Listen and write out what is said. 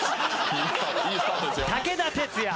武田鉄矢。